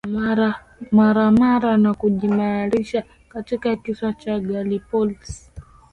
Marmara na kujiimarisha katika kisiwa cha Galliopolis